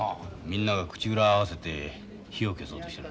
みんなが口裏合わせて火を消そうとしてるんだ。